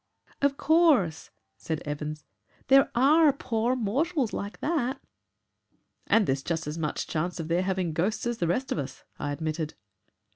"Of course," said Evans, "there ARE poor mortals like that." "And there's just as much chance of their having ghosts as the rest of us," I admitted.